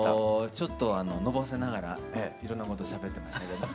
ちょっとのぼせながらいろんなことしゃべってました。